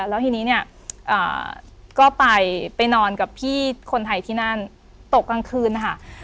แล้วทีนี้เนี่ยก็ไปนอนกับพี่คนไทยที่นั่นตกกลางคืนนะคะ